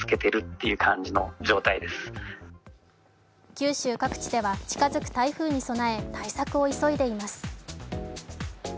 九州各地では近づく台風に備え対策を急いでいます。